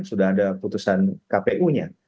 sudah ada putusan kpu nya